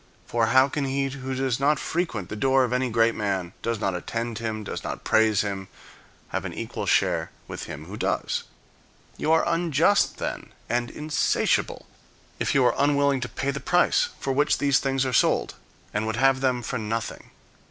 For how can he who does not frequent the door of any [great] man, does not attend him, does not praise him, have an equal share with him who does? You are unjust, then, and insatiable, if you are unwilling to pay the price for which these things are sold, and would have them for nothing.